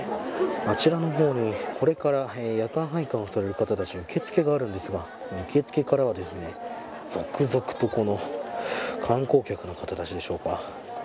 あちらの方に、これから夜間拝観をされる方たちの受け付けがあるんですが受け付けからは続々と観光客の方たちでしょうか。